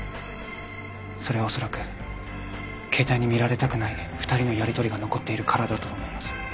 それはおそらく携帯に見られたくない二人のやりとりが残っているからだと思います。